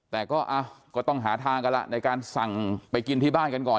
แต่ก็ต้องหาทางกันละในการสั่งไปกินที่บ้านกันก่อน